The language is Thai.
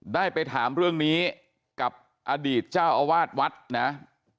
ได้ไปถามเรื่องนี้กับอดีตเจ้าอาวาสวัดนะ